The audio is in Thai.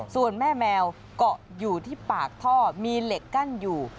ส่วนแม่แมวเกาะอยู่ที่ปากท่อมีเหล็กกั้นอยู่